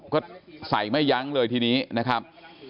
ก็ใส่ไม่ยั้งเลยทีนี้นะครับ